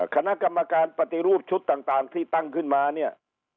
คณะกรรมการปฏิรูปชุดต่างที่ตั้งขึ้นมาเนี่ย